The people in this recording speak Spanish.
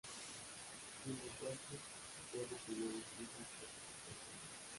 Timo Tolkki luego pidió disculpas por su comportamiento.